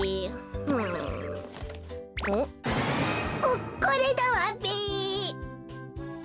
ここれだわべ！